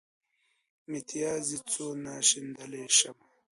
متيازې څونه شيندلی شمه.